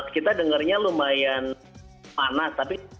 kita dengarnya lumayan panas tapi